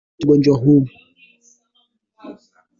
zinazotumika kuudhibiti ugonjwa huu